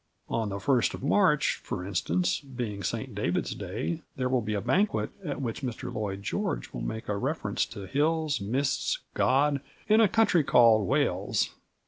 On the 1st of March, for instance, being St David's Day, there will be a banquet at which Mr Lloyd George will make a reference to hills, mists, God, and a country called Wales.